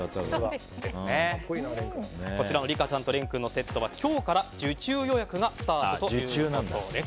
こちらのリカちゃんとレンくんのセットは今日から受注予約がスタートということです。